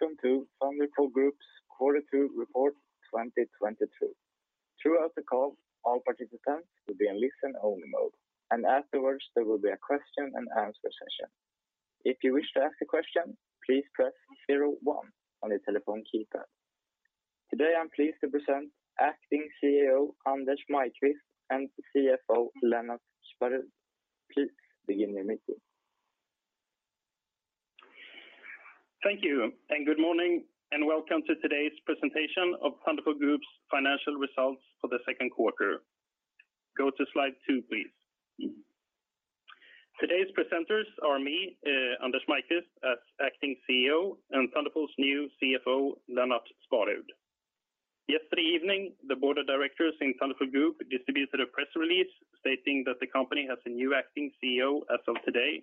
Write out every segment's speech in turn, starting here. Welcome to Thunderful Group's quarter two report 2022. Throughout the call, all participants will be in listen-only mode, and afterwards there will be a question and answer session. If you wish to ask a question, please press zero one on your telephone keypad. Today, I'm pleased to present Acting CEO Anders Maiqvist and CFO Lennart Sparud. Please begin your meeting. Thank you, and good morning, and welcome to today's presentation of Thunderful Group's financial results for the second quarter. Go to slide two, please. Today's presenters are me, Anders Maiqvist, as Acting CEO, and Thunderful's new CFO, Lennart Sparud. Yesterday evening, the Board of Directors in Thunderful Group distributed a press release stating that the company has a new Acting CEO as of today.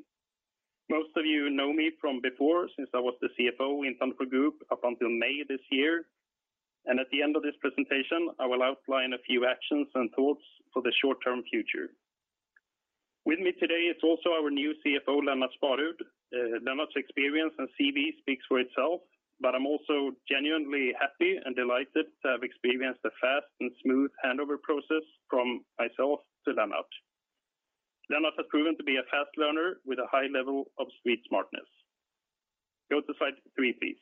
Most of you know me from before, since I was the CFO in Thunderful Group up until May this year. At the end of this presentation, I will outline a few actions and thoughts for the short-term future. With me today is also our new CFO, Lennart Sparud. Lennart's experience and CV speaks for itself, but I'm also genuinely happy and delighted to have experienced a fast and smooth handover process from myself to Lennart. Lennart has proven to be a fast learner with a high level of street smartness. Go to slide three, please.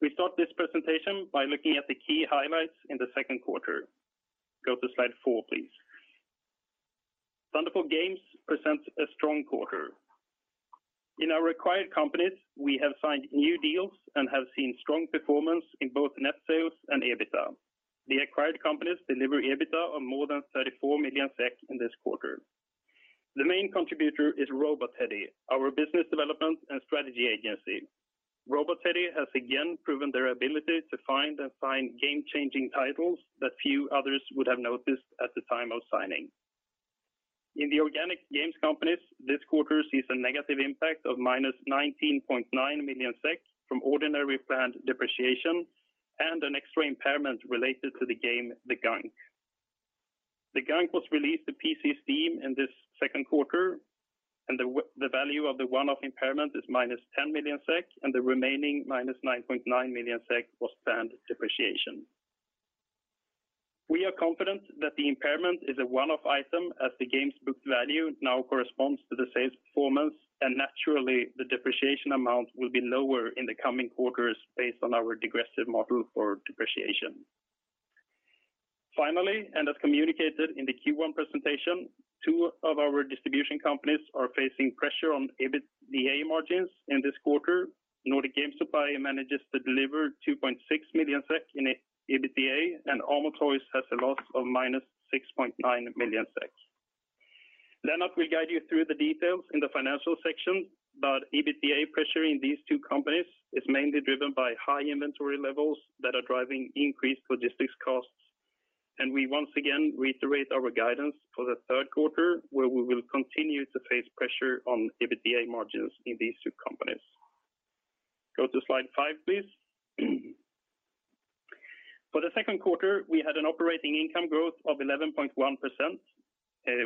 We start this presentation by looking at the key highlights in the second quarter. Go to slide four, please. Thunderful Games presents a strong quarter. In our acquired companies, we have signed new deals and have seen strong performance in both net sales and EBITDA. The acquired companies deliver EBITDA of more than 34 million SEK in this quarter. The main contributor is Robot Teddy, our business development and strategy agency. Robot Teddy has again proven their ability to find and sign game-changing titles that few others would have noticed at the time of signing. In the organic games companies, this quarter sees a negative impact of -19.9 million SEK from ordinary planned depreciation and an extra impairment related to the game The Gunk. The Gunk was released to PC Steam in this second quarter, and the value of the one-off impairment is -10 million SEK, and the remaining -9.9 million SEK was planned depreciation. We are confident that the impairment is a one-off item as the game's book value now corresponds to the sales performance, and naturally the depreciation amount will be lower in the coming quarters based on our degressive model for depreciation. Finally, and as communicated in the Q1 presentation, two of our distribution companies are facing pressure on EBITDA margins in this quarter. Nordic Game Supply manages to deliver 2.6 million SEK in EBITDA, and AMO Toys has a loss of -6.9 million SEK. Lennart will guide you through the details in the financial section, but EBITDA pressure in these two companies is mainly driven by high inventory levels that are driving increased logistics costs. We once again reiterate our guidance for the third quarter, where we will continue to face pressure on EBITDA margins in these two companies. Go to slide five, please. For the second quarter, we had an operating income growth of 11.1%,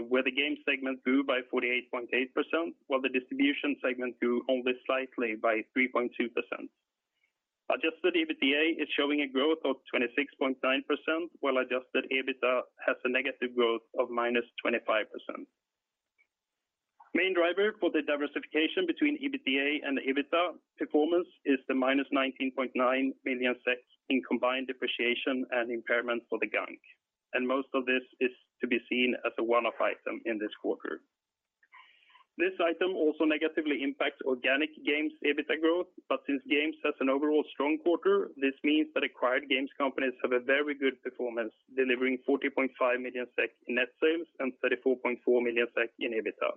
where the game segment grew by 48.8%, while the distribution segment grew only slightly by 3.2%. Adjusted EBITDA is showing a growth of 26.9%, while adjusted EBITDA has a negative growth of -25%. Main driver for the diversification between EBITDA and the EBITDA performance is the -19.9 million in combined depreciation and impairment for The Gunk, and most of this is to be seen as a one-off item in this quarter. This item also negatively impacts organic games EBITDA growth, but since games has an overall strong quarter, this means that acquired games companies have a very good performance, delivering 40.5 million SEK in net sales and 34.4 million SEK in EBITDA.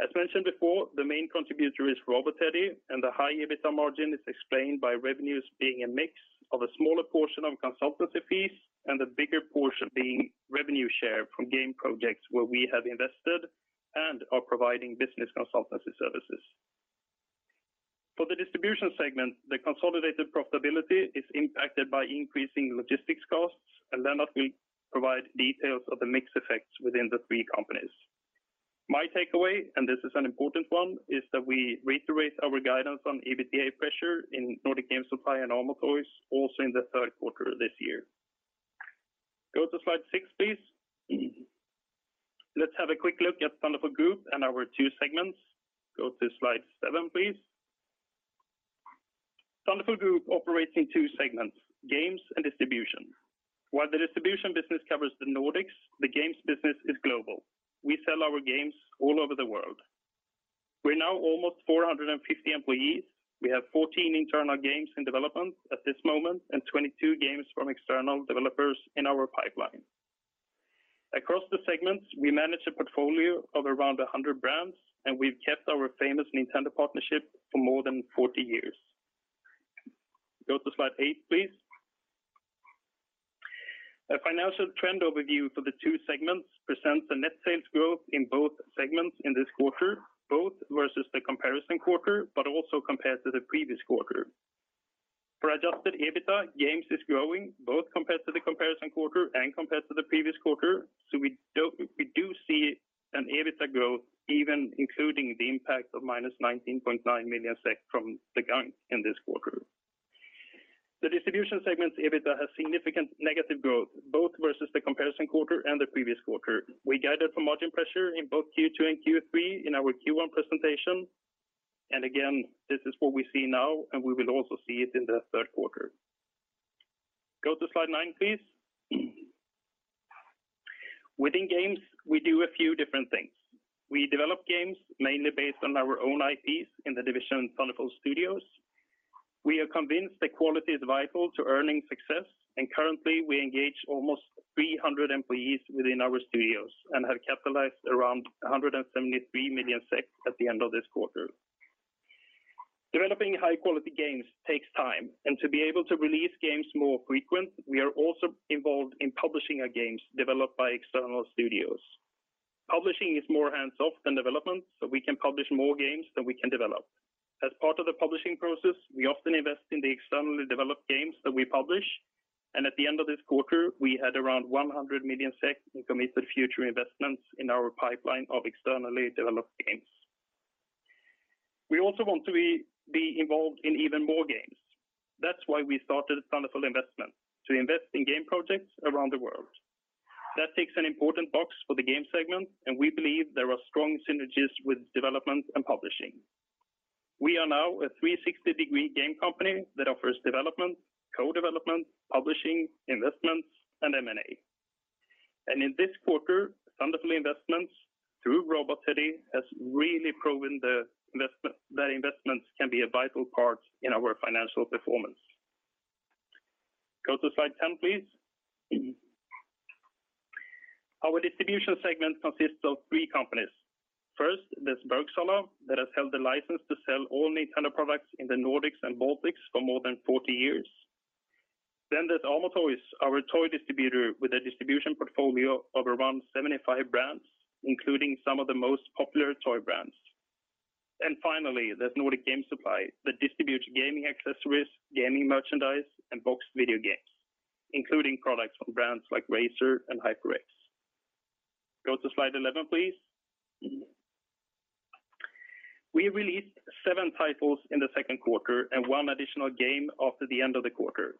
As mentioned before, the main contributor is Robot Teddy, and the high EBITDA margin is explained by revenues being a mix of a smaller portion of consultancy fees and a bigger portion being revenue share from game projects where we have invested and are providing business consultancy services. For the distribution segment, the consolidated profitability is impacted by increasing logistics costs, and Lennart will provide details of the mix effects within the three companies. My takeaway, and this is an important one, is that we reiterate our guidance on EBITDA pressure in Nordic Game Supply and AMO Toys also in the third quarter this year. Go to slide six, please. Let's have a quick look at Thunderful Group and our two segments. Go to slide seven, please. Thunderful Group operates in two segments, games and distribution. While the distribution business covers the Nordics, the games business is global. We sell our games all over the world. We're now almost 450 employees. We have 14 internal games in development at this moment and 22 games from external developers in our pipeline. Across the segments, we manage a portfolio of around 100 brands, and we've kept our famous Nintendo partnership for more than 40 years. Go to slide eight, please. A financial trend overview for the two segments presents a net sales growth in both segments in this quarter, both versus the comparison quarter, but also compared to the previous quarter. For adjusted EBITDA, Games is growing both compared to the comparison quarter and compared to the previous quarter. We do see an EBITDA growth even including the impact of -19.9 million SEK from The Gunk in this quarter. The distribution segment's EBITDA has significant negative growth, both versus the comparison quarter and the previous quarter. We guided for margin pressure in both Q2 and Q3 in our Q1 presentation. Again, this is what we see now, and we will also see it in the third quarter. Go to slide nine, please. Within Games, we do a few different things. We develop games mainly based on our own IPs in the division Thunderful Studios. We are convinced that quality is vital to earning success, and currently we engage almost 300 employees within our studios and have capitalized around 173 million at the end of this quarter. Developing high-quality games takes time, and to be able to release games more frequent, we are also involved in publishing our games developed by external studios. Publishing is more hands-off than development, so we can publish more games than we can develop. As part of the publishing process, we often invest in the externally developed games that we publish. At the end of this quarter, we had around 100 million SEK in committed future investments in our pipeline of externally developed games. We also want to be involved in even more games. That's why we started Thunderful Investment to invest in game projects around the world. That ticks an important box for the game segment, and we believe there are strong synergies with development and publishing. We are now a 360-degree game company that offers development, co-development, publishing, investments, and M&A. In this quarter, Thunderful Investments through Robot Teddy has really proven the investment that investments can be a vital part in our financial performance. Go to slide 10, please. Our distribution segment consists of three companies. First, there's Bergsala that has held the license to sell all Nintendo products in the Nordics and Baltics for more than 40 years. There's AMO Toys, our toy distributor with a distribution portfolio of around 75 brands, including some of the most popular toy brands. Finally, there's Nordic Game Supply that distributes gaming accessories, gaming merchandise, and boxed video games, including products from brands like Razer and HyperX. Go to slide 11, please. We released seven titles in the second quarter and one additional game after the end of the quarter.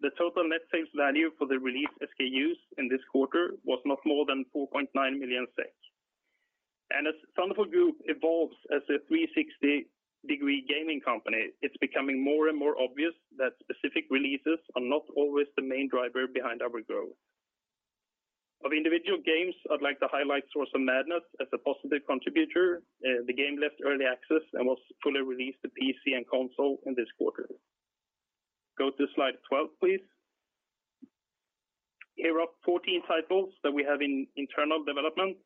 The total net sales value for the released SKUs in this quarter was not more than 4.9 million. As Thunderful Group evolves as a 360-degree gaming company, it's becoming more and more obvious that specific releases are not always the main driver behind our growth. Of individual games, I'd like to highlight Source of Madness as a positive contributor. The game left early access and was fully released to PC and console in this quarter. Go to slide 12, please. Here are 14 titles that we have in internal development,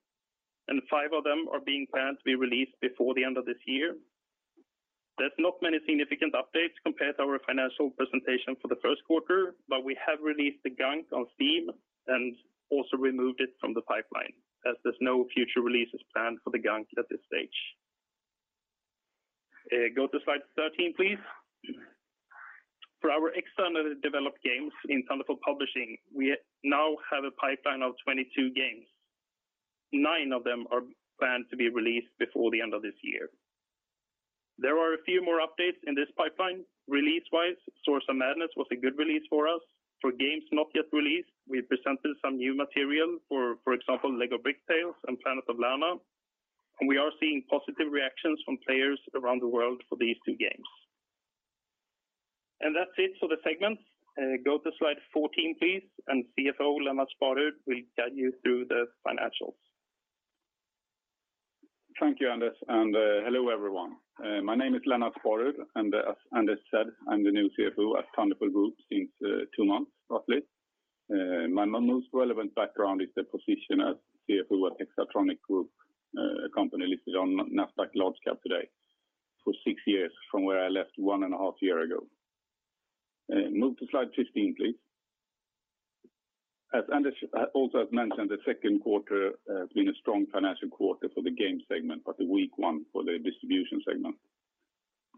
and five of them are being planned to be released before the end of this year. There's not many significant updates compared to our financial presentation for the first quarter, but we have released The Gunk on Steam and also removed it from the pipeline as there's no future releases planned for The Gunk at this stage. Go to slide 13, please. For our externally developed games in Thunderful Publishing, we now have a pipeline of 22 games. Nine of them are planned to be released before the end of this year. There are a few more updates in this pipeline release-wise. Source of Madness was a good release for us. For games not yet released, we presented some new material, for example, LEGO Bricktales and Planet of Lana, and we are seeing positive reactions from players around the world for these two games. That's it for the segments. Go to slide 14, please, and CFO Lennart Sparud will guide you through the financials. Thank you, Anders, and hello, everyone. My name is Lennart Sparud, and as Anders said, I'm the new CFO at Thunderful Group since two months roughly. My most relevant background is the position as CFO at Hexatronic Group, a company listed on NASDAQ Large Cap today for six years from where I left one and a half year ago. Move to slide 15, please. As Anders also has mentioned, the second quarter has been a strong financial quarter for the game segment, but a weak one for the distribution segment.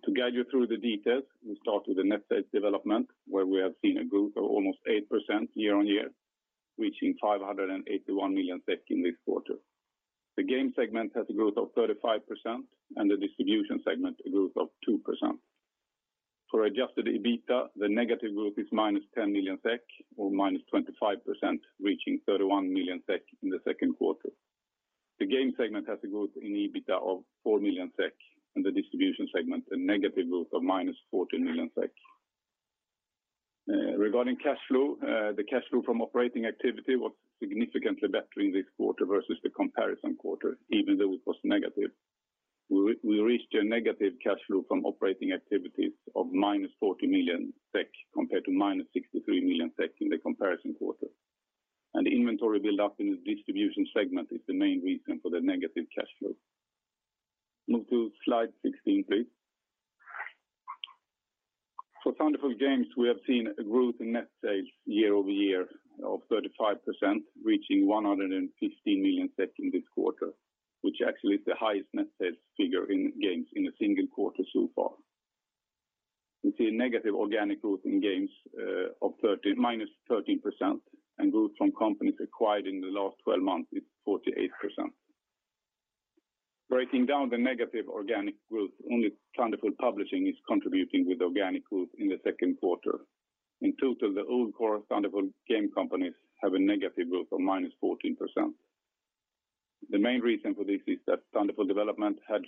To guide you through the details, we start with the net sales development, where we have seen a growth of almost 8% year-over-year, reaching 581 million SEK in this quarter. The game segment has a growth of 35% and the distribution segment a growth of 2%. For adjusted EBITDA, the negative growth is -10 million SEK or -25%, reaching 31 million SEK in the second quarter. The game segment has a growth in EBITDA of 4 million SEK, and the distribution segment a negative growth of -14 million SEK. Regarding cash flow, the cash flow from operating activity was significantly better in this quarter versus the comparison quarter, even though it was negative. We reached a negative cash flow from operating activities of -40 million SEK compared to -63 million SEK in the comparison quarter. Inventory build-up in the distribution segment is the main reason for the negative cash flow. Move to slide 16, please. For Thunderful Games, we have seen a growth in net sales year-over-year of 35%, reaching 115 million in this quarter. Which actually is the highest net sales figure in Games in a single quarter so far. We see a negative organic growth in Games of -13% and growth from companies acquired in the last twelve months is 48%. Breaking down the negative organic growth, only Thunderful Publishing is contributing with organic growth in the second quarter. In total, the old core Thunderful game companies have a negative growth of -14%. The main reason for this is that Thunderful Development had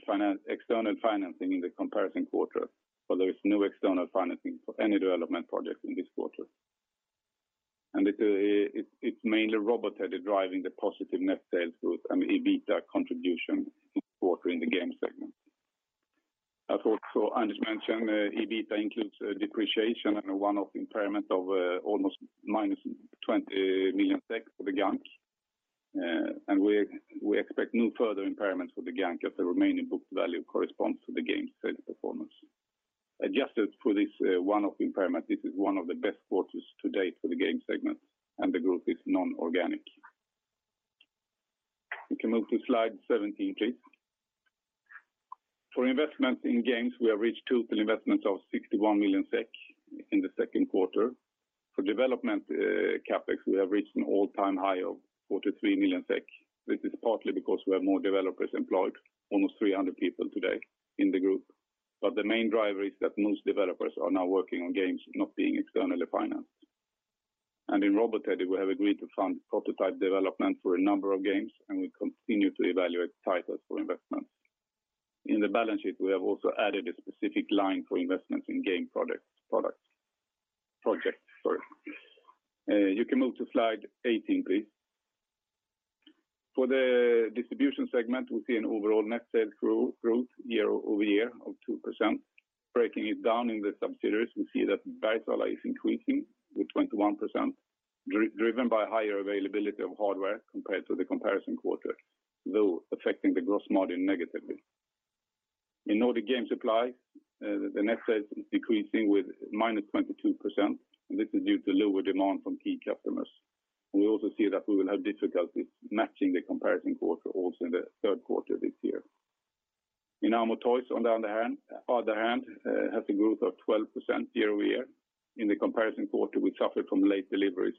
external financing in the comparison quarter, but there is no external financing for any development project in this quarter. It's mainly Robot Teddy driving the positive net sales growth and EBITA contribution this quarter in the Games segment. As also Anders mentioned, EBITA includes depreciation and a one-off impairment of almost -20 million for The Gunk. We expect no further impairments for The Gunk as the remaining book value corresponds to the game's sales performance. Adjusted for this one-off impairment, this is one of the best quarters to date for the Games segment, and the growth is non-organic. We can move to slide 17, please. For investment in Games, we have reached total investments of 61 million SEK in the second quarter. For development CapEx, we have reached an all-time high of 43 million SEK. This is partly because we have more developers employed, almost 300 people today in the group. The main driver is that most developers are now working on games not being externally financed. In Robot Teddy, we have agreed to fund prototype development for a number of games, and we continue to evaluate titles for investment. In the balance sheet, we have also added a specific line for investments in game projects. You can move to slide 18, please. For the distribution segment, we see an overall net sales growth year-over-year of 2%. Breaking it down in the subsidiaries, we see that Bergsala is increasing with 21%, driven by higher availability of hardware compared to the comparison quarter, though affecting the gross margin negatively. In Nordic Game Supply, the net sales is decreasing with -22%, and this is due to lower demand from key customers. We also see that we will have difficulties matching the comparison quarter also in the third quarter this year. In AMO Toys, on the other hand, has a growth of 12% year-over-year. In the comparison quarter, we suffered from late deliveries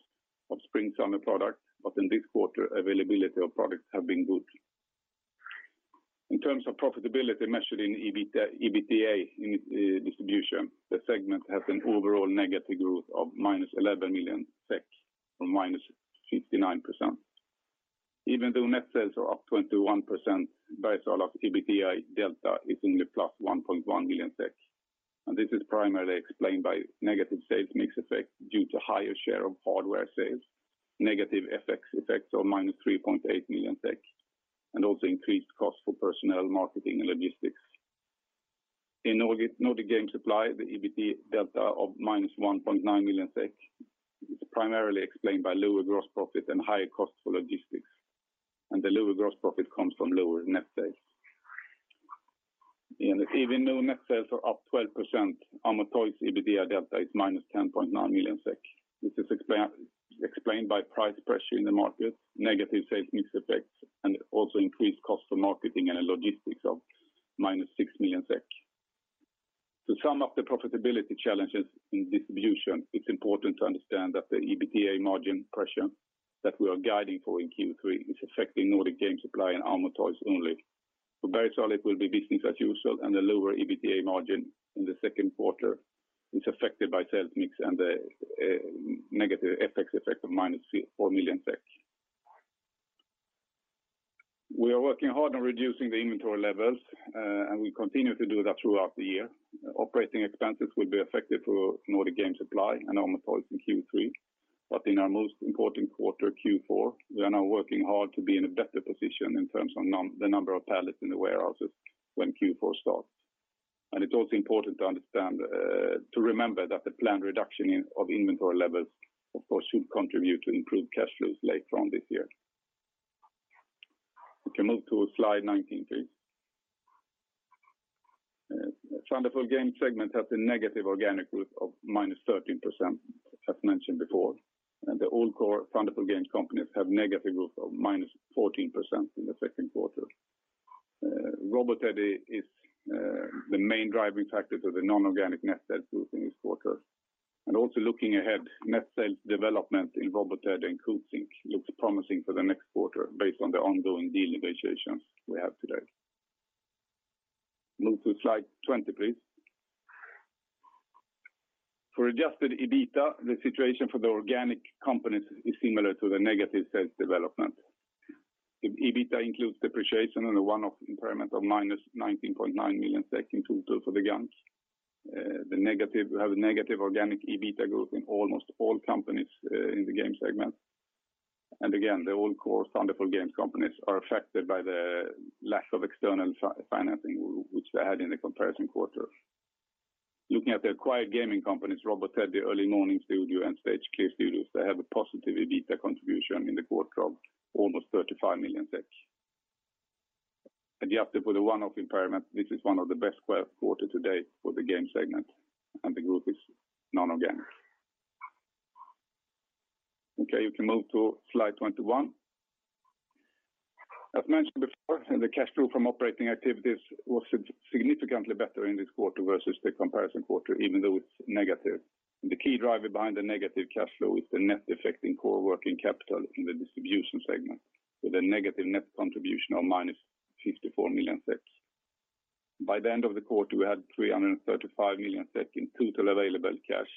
of spring/summer product, but in this quarter, availability of products have been good. In terms of profitability measured in EBITA in distribution, the segment has an overall negative growth of -11 million or -59%. Even though net sales are up 21%, Bergsala of EBITA delta is only +1.1 million SEK, and this is primarily explained by negative sales mix effect due to higher share of hardware sales, negative FX effects of -3.8 million, and also increased costs for personnel, marketing, and logistics. In Nordic Game Supply, the EBITA delta of -1.9 million SEK is primarily explained by lower gross profit and higher costs for logistics, and the lower gross profit comes from lower net sales. Even though net sales are up 12%, AMO Toys EBITA delta is -10.9 million SEK. This is explained by price pressure in the market, negative sales mix effects, and also increased cost for marketing and logistics of -6 million SEK. To sum up the profitability challenges in distribution, it's important to understand that the EBITA margin pressure that we are guiding for in Q3 is affecting Nordic Game Supply and AMO Toys only. For Bergsala, it will be business as usual, and the lower EBITA margin in the second quarter is affected by sales mix and a negative FX effect of -SEK 4 million. We are working hard on reducing the inventory levels, and we continue to do that throughout the year. Operating expenses will be affected for Nordic Game Supply and AMO Toys in Q3. In our most important quarter, Q4, we are now working hard to be in a better position in terms of the number of pallets in the warehouses when Q4 starts. It's also important to understand to remember that the planned reduction of inventory levels, of course, should contribute to improved cash flows later on this year. We can move to slide 19, please. Thunderful Games segment has a negative organic growth of -13%, as mentioned before. The old core Thunderful Games companies have negative growth of -14% in the second quarter. Robot Teddy is the main driving factor to the non-organic net sales growth in this quarter. Also looking ahead, net sales development in Robot Teddy and Coatsink looks promising for the next quarter based on the ongoing deal negotiations we have today. Move to slide 20, please. For adjusted EBITA, the situation for the organic companies is similar to the negative sales development. EBITA includes depreciation and a one-off impairment of -19.9 million in total for The Gunk. We have a negative organic EBITA growth in almost all companies in the Games segment. Again, the old core Thunderful Games companies are affected by the lack of external financing which they had in the comparison quarter. Looking at the acquired gaming companies, Robot Teddy, Early Morning Studio, and Stage Clear Studios, they have a positive EBITA contribution in the quarter of almost 35 million SEK. Adjusted for the one-off impairment, this is one of the best quarters to date for the Games segment, and the group is non-organic. Okay, you can move to slide 21. As mentioned before, the cash flow from operating activities was significantly better in this quarter versus the comparison quarter, even though it's negative. The key driver behind the negative cash flow is the net effect in core working capital in the distribution segment with a negative net contribution of -54 million SEK. By the end of the quarter, we had 335 million SEK in total available cash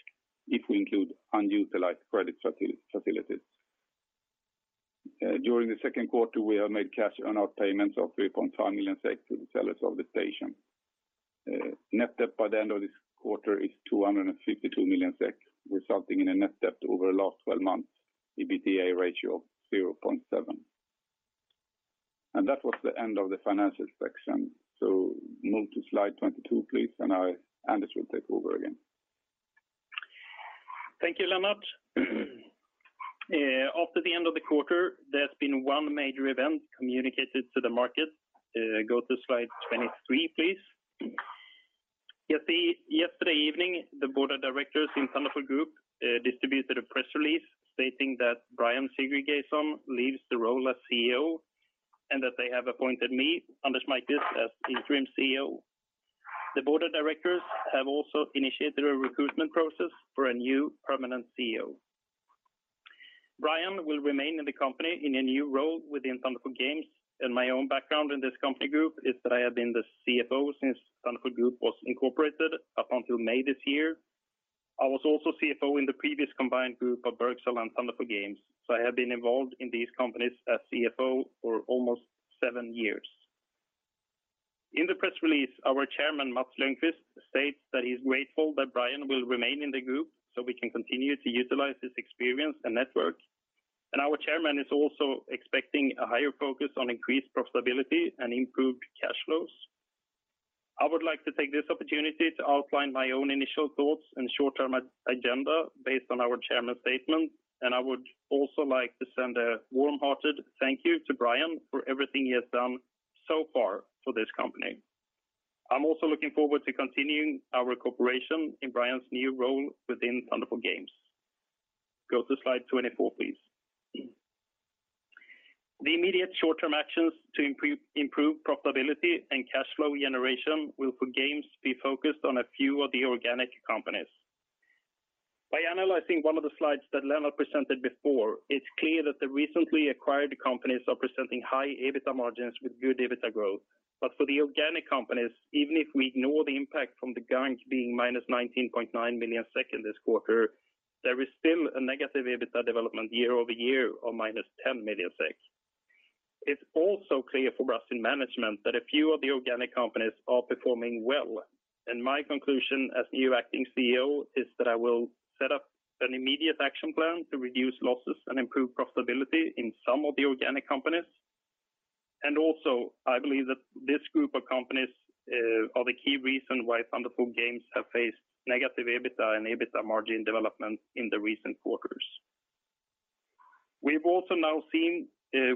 if we include unutilized credit facilities. During the second quarter, we have made cash earnout payments of 3.5 million to the sellers of The Station. Net debt by the end of this quarter is 252 million, resulting in a net debt over the last 12 months EBITDA ratio of 0.7. That was the end of the financial section. Move to slide 22, please, and Anders will take over again. Thank you, Lennart. After the end of the quarter, there's been one major event communicated to the market. Go to slide 23, please. Yesterday evening, the Board of Directors in Thunderful Group distributed a press release stating that Brjánn Sigurgeirsson leaves the role as CEO and that they have appointed me, Anders Maiqvist, as interim CEO. The board of directors have also initiated a recruitment process for a new permanent CEO. Brjánn will remain in the company in a new role within Thunderful Games, and my own background in this company group is that I have been the CFO since Thunderful Group was incorporated up until May this year. I was also CFO in the previous combined group of Bergsala and Thunderful Games, so I have been involved in these companies as CFO for almost seven years. In the press release, our Chairman, Mats Lönnqvist, states that he's grateful that Brjánn will remain in the group so we can continue to utilize his experience and network. Our Chairman is also expecting a higher focus on increased profitability and improved cash flows. I would like to take this opportunity to outline my own initial thoughts and short-term agenda based on our Chairman's statement, and I would also like to send a warm-hearted thank you to Brjánn for everything he has done so far for this company. I'm also looking forward to continuing our cooperation in Brjánn's new role within Thunderful Games. Go to slide 24, please. The immediate short-term actions to improve profitability and cash flow generation will, for Games, be focused on a few of the organic companies. By analyzing one of the slides that Lennart presented before, it's clear that the recently acquired companies are presenting high EBITDA margins with good EBITDA growth. For the organic companies, even if we ignore the impact from The Gunk being -19.9 million in this quarter, there is still a negative EBITDA development year-over-year of -10 million SEK. It's also clear for us in management that a few of the organic companies are performing well, and my conclusion as new acting CEO is that I will set up an immediate action plan to reduce losses and improve profitability in some of the organic companies. I believe that this group of companies are the key reason why Thunderful Games have faced negative EBITDA and EBITDA margin development in the recent quarters. We've also now seen,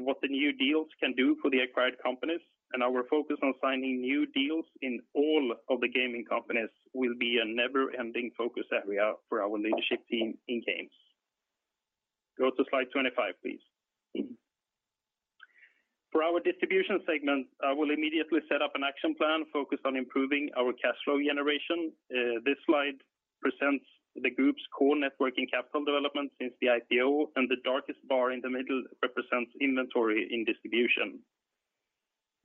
what the new deals can do for the acquired companies, and our focus on signing new deals in all of the gaming companies will be a never-ending focus area for our leadership team in Games. Go to slide 25, please. For our distribution segment, I will immediately set up an action plan focused on improving our cash flow generation. This slide presents the group's core net working capital development since the IPO, and the darkest bar in the middle represents inventory in distribution.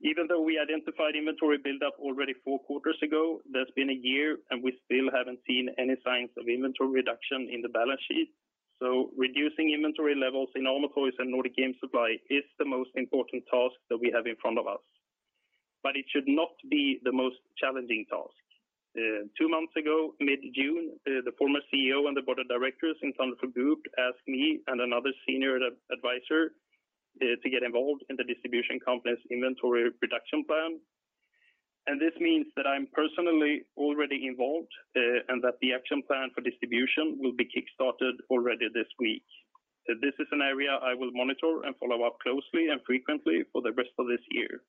Even though we identified inventory buildup already four quarters ago, there's been a year, and we still haven't seen any signs of inventory reduction in the balance sheet. Reducing inventory levels in AMO Toys and Nordic Game Supply is the most important task that we have in front of us, but it should not be the most challenging task. Two months ago, mid-June, the former CEO and the board of directors in Thunderful Group asked me and another senior advisor to get involved in the distribution company's inventory reduction plan. This means that I'm personally already involved, and that the action plan for distribution will be kickstarted already this week. This is an area I will monitor and follow-up closely and frequently for the rest of this year.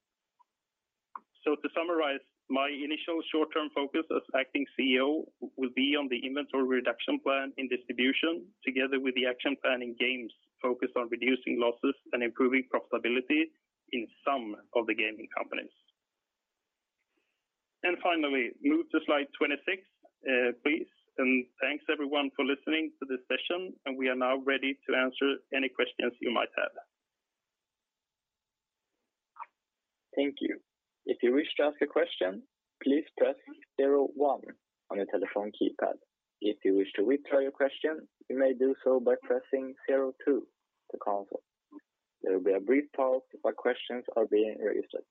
To summarize, my initial short-term focus as acting CEO will be on the inventory reduction plan in distribution together with the action plan in Games focused on reducing losses and improving profitability in some of the gaming companies. Finally, move to slide 26, please, and thanks everyone for listening to this session, and we are now ready to answer any questions you might have. Thank you. If you wish to ask a question, please press zero one on your telephone keypad. If you wish to withdraw your question, you may do so by pressing zero two to cancel. There will be a brief pause while questions are being registered.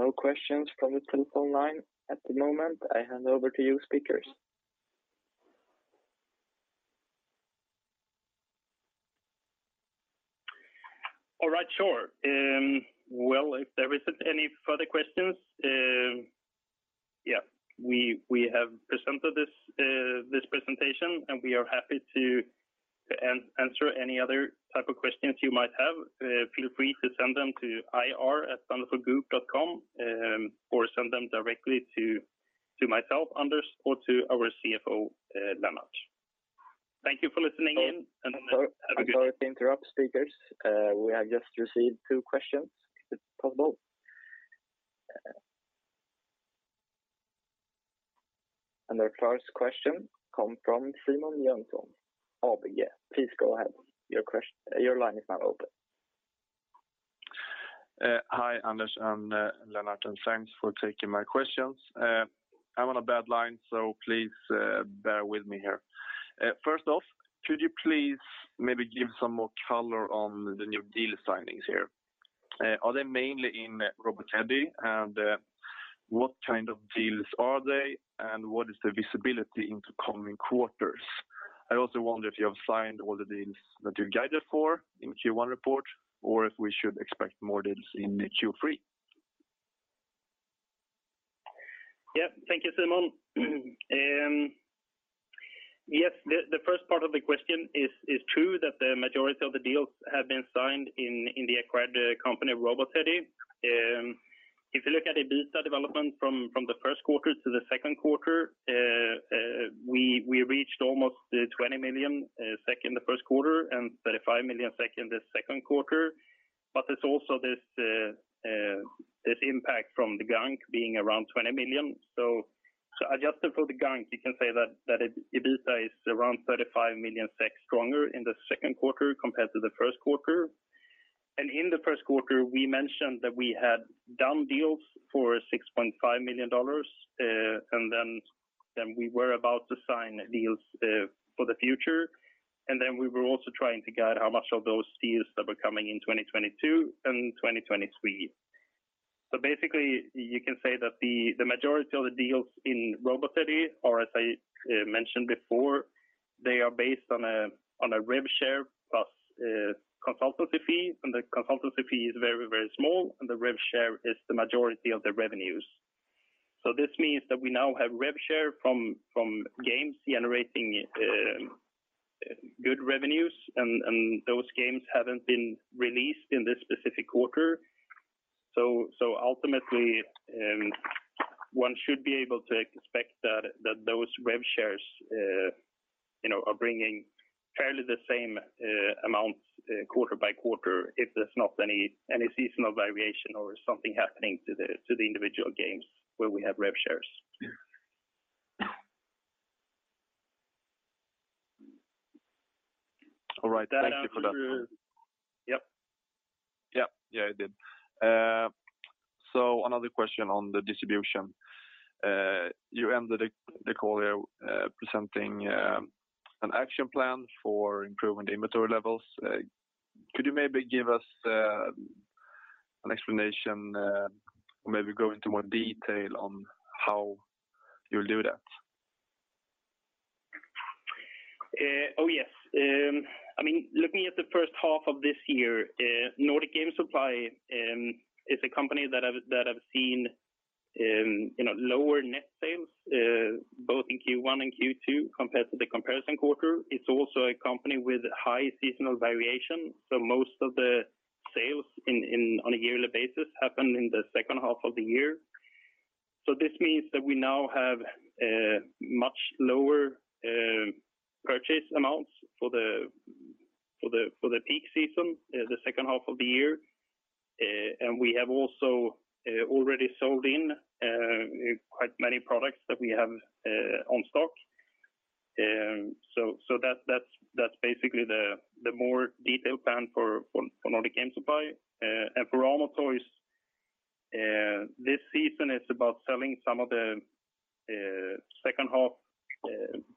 No questions from the telephone line at the moment. I hand over to you speakers. All right, sure. Well, if there isn't any further questions, yeah, we have presented this presentation, and we are happy to answer any other type of questions you might have. Feel free to send them to ir@thunderfulgroup.com, or send them directly to myself, Anders, or to our CFO, Lennart. Thank you for listening in. Sorry to interrupt, speakers. We have just received two questions, if it's possible. Our first question come from Simon Jönsson of ABG. Please go ahead. Your line is now open. Hi, Anders and Lennart, and thanks for taking my questions. I'm on a bad line, so please bear with me here. First off, could you please maybe give some more color on the new deal signings here? Are they mainly in Robot Teddy? And what kind of deals are they, and what is the visibility into coming quarters? I also wonder if you have signed all the deals that you guided for in Q1 report or if we should expect more deals in Q3. Yeah. Thank you, Simon. Yes, the first part of the question is true that the majority of the deals have been signed in the acquired company, Robot Teddy. If you look at EBITDA development from the first quarter to the second quarter, we reached almost 20 million SEK in the first quarter and 35 million SEK in the second quarter. There's also this impact from The Gunk being around 20 million. Adjusted for The Gunk, you can say that EBITDA is around 35 million stronger in the second quarter compared to the first quarter. In the first quarter, we mentioned that we had done deals for $6.5 million, and then we were about to sign deals for the future. We were also trying to guide how much of those deals that were coming in 2022 and 2023. Basically, you can say that the majority of the deals in Robot Teddy are, as I mentioned before, they are based on a rev share plus consultancy fee, and the consultancy fee is very small, and the rev share is the majority of the revenues. This means that we now have rev share from games generating good revenues, and those games haven't been released in this specific quarter. Ultimately, one should be able to expect that those rev shares, you know, are bringing fairly the same amounts quarter by quarter if there's not any seasonal variation or something happening to the individual games where we have rev shares. All right. Thank you for that. Yep. Yep. Yeah, it did. Another question on the distribution. You ended the call presenting an action plan for improving the inventory levels. Could you maybe give us an explanation or maybe go into more detail on how you'll do that? Looking at the first half of this year, Nordic Game Supply is a company that have seen, you know, lower net sales both in Q1 and Q2 compared to the comparison quarter. It's also a company with high seasonal variation, so most of the sales on a yearly basis happen in the second half of the year. This means that we now have much lower purchase amounts for the peak season, the second half of the year. We have also already sold in quite many products that we have on stock. That's basically the more detailed plan for Nordic Game Supply. For AMO Toys, this season is about selling some of the second-half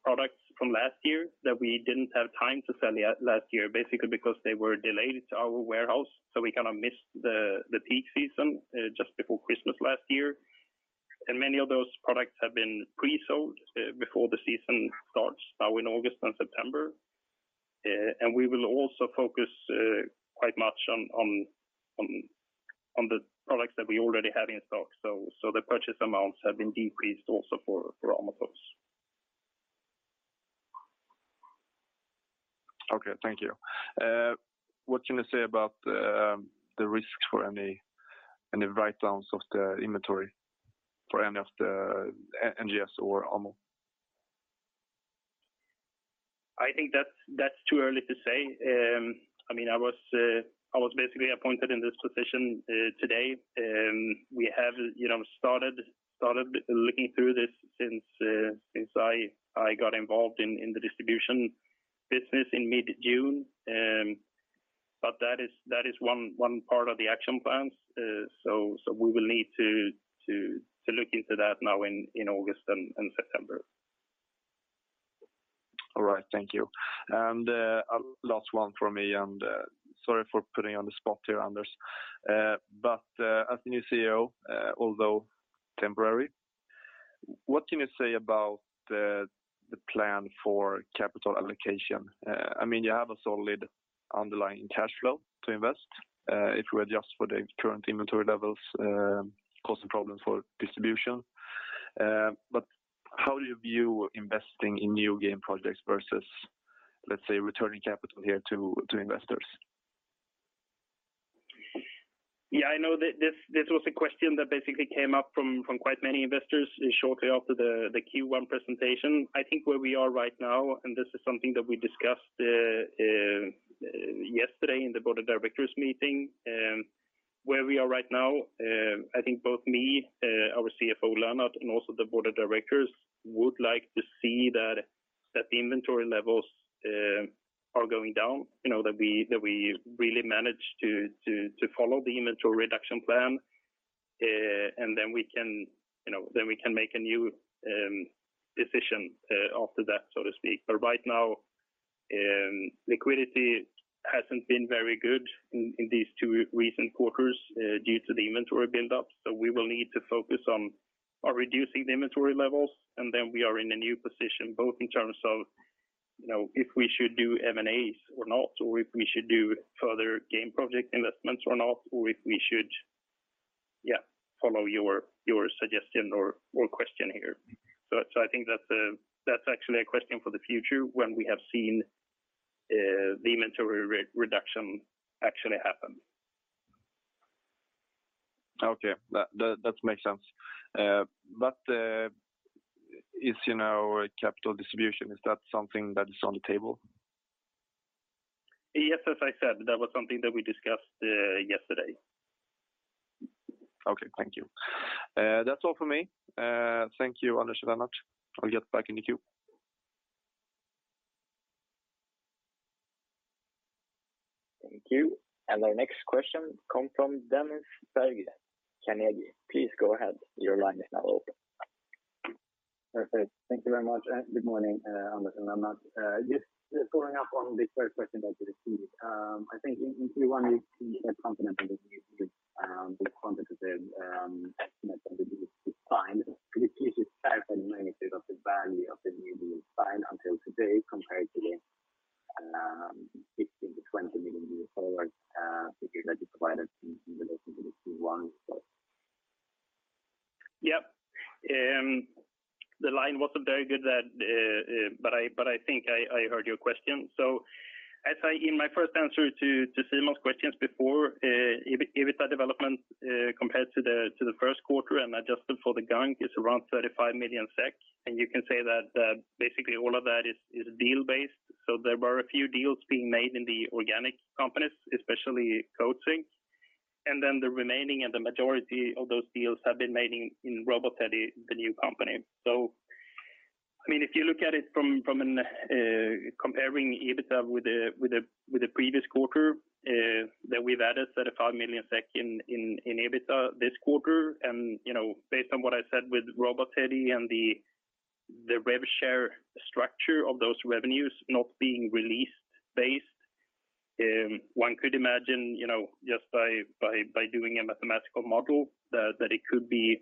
products from last year that we didn't have time to sell last year, basically because they were delayed to our warehouse, so we kind of missed the peak season just before Christmas last year. Many of those products have been pre-sold before the season starts now in August and September. We will also focus quite much on the products that we already have in stock. The purchase amounts have been decreased also for AMO Toys. Thank you. What can you say about the risks for any write-downs of the inventory for any of the NGS or AMO? I think that's too early to say. I mean, I was basically appointed in this position today. We have, you know, started looking through this since I got involved in the distribution business in mid-June. That is one part of the action plans. We will need to look into that now in August and September. All right. Thank you. A last one from me, sorry for putting you on the spot here, Anders. As the new CEO, although temporary. What can you say about the plan for capital allocation? I mean, you have a solid underlying cash flow to invest, if we adjust for the current inventory levels causing problems for distribution. How do you view investing in new game projects versus, let's say, returning capital here to investors? Yeah, I know this was a question that basically came up from quite many investors shortly after the Q1 presentation. I think where we are right now, and this is something that we discussed yesterday in the board of directors meeting. Where we are right now, I think both me, our CFO, Lennart, and also the Board of Directors would like to see that the inventory levels are going down, you know, that we really manage to follow the inventory reduction plan. Then we can, you know, then we can make a new decision after that, so to speak. Right now, liquidity hasn't been very good in these two recent quarters due to the inventory build-up. We will need to focus on reducing the inventory levels, and then we are in a new position, both in terms of, you know, if we should do M&As or not, or if we should do further game project investments or not, or if we should, yeah, follow your suggestion or question here. I think that's actually a question for the future when we have seen the inventory re-reduction actually happen. Okay. That makes sense. You know, is capital distribution something that is on the table? Yes. As I said, that was something that we discussed yesterday. Okay. Thank you. That's all for me. Thank you, Anders and Lennart. I'll get back in the queue. Thank you. Our next question come from Dennis Berggren, Carnegie. Please go ahead. Your line is now open. Perfect. Thank you very much. Good morning, Anders and Lennart. Just following up on the first question that you received, I think in Q1 you seemed quite confident in the new deal, the quantitative estimate on the new deals signed. Could you please just clarify the magnitude of the value of the new deals signed until today compared to the EUR 15 million-EUR 20 million forward figure that you provided in relation to the Q1 slide? Yeah. The line wasn't very good. I think I heard your question. In my first answer to Simon's questions before, EBITDA development compared to the first quarter and adjusted for The Gunk is around 35 million SEK. You can say that basically all of that is deal based. There were a few deals being made in the organic companies, especially Coatsink. Then the remaining and the majority of those deals have been made in Robot Teddy, the new company. I mean, if you look at it from comparing EBITDA with the previous quarter, then we've added 35 million SEK in EBITDA this quarter. You know, based on what I said with Robot Teddy and the rev share structure of those revenues not being released based, one could imagine, you know, just by doing a mathematical model that it could be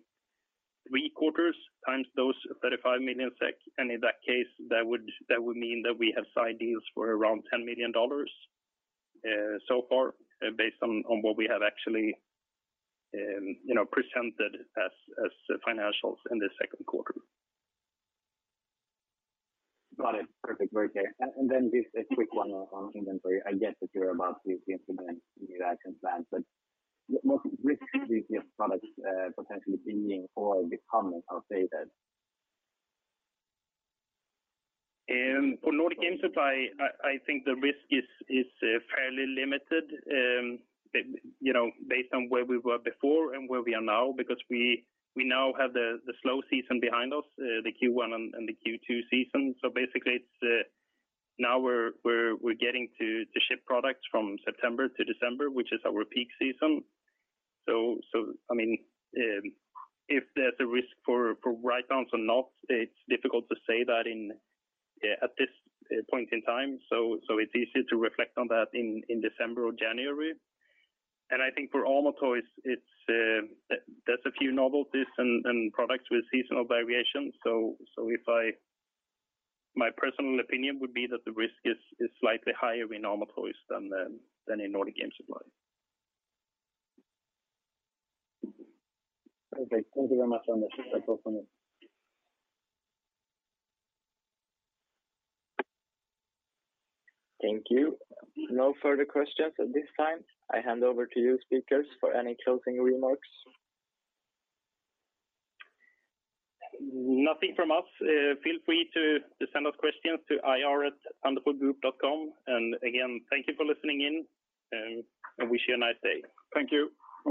three quarters times those 35 million SEK. In that case, that would mean that we have signed deals for around $10 million so far based on what we have actually, you know, presented as financials in the second quarter. Got it. Perfect. Okay. Then just a quick one on inventory. I get that you're about to implement the action plan, but what risk do these products potentially being or become outdated? For Nordic Game Supply, I think the risk is fairly limited, you know, based on where we were before and where we are now, because we now have the slow season behind us, the Q1 and the Q2 season. Basically it's now we're getting to ship products from September to December, which is our peak season. I mean, if there's a risk for write-downs or not, it's difficult to say that at this point in time. It's easier to reflect on that in December or January. I think for AMO Toys, it's. There's a few novelties and products with seasonal variation. My personal opinion would be that the risk is slightly higher in AMO Toys than in Nordic Game Supply. Okay. Thank you very much, Anders. That's all from me. Thank you. No further questions at this time. I hand over to you speakers for any closing remarks. Nothing from us. Feel free to send us questions to ir@thunderfulgroup.com. Again, thank you for listening in and wish you a nice day. Thank you.